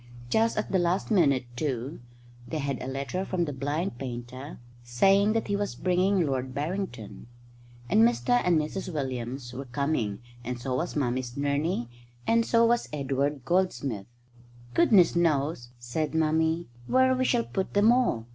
Just at the last minute, too, they had a letter from the blind painter saying that he was bringing Lord Barrington. And Mr and Mrs Williams were coming, and so was Mummy's nurney, and so was Edward Goldsmith. "Goodness knows," said Mummy, "where we shall put them all.